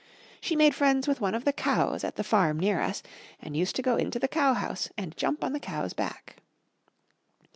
She made friends with one of the cows at the farm near us, and used to go into the cowhouse and jump on the cow's back.